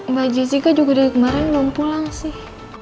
mbak jessica juga dari kemarin belum pulang sih